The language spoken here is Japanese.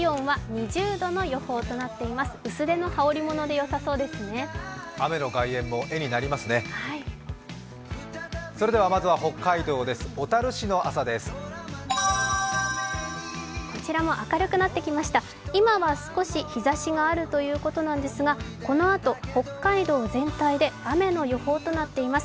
今は少し日差しがあるということなんですがこのあと、北海道全体で雨の予報となっています。